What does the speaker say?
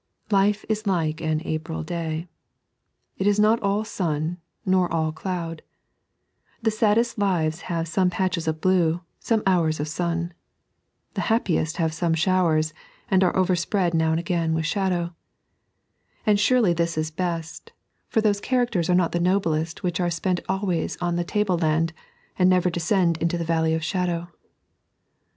Life is like an April day. It is not all sun, nor all doud. The saddest lives bave some patches of blue, some hours of sua. The happiest have some showers, and are overspread now and again with shadow. And surely this 3.n.iized by Google "On the Evil and the Qooj>" 95 is beet, for those characters are not the nobUet which are spent always on the tableland, and never descend onto the valley of shadow.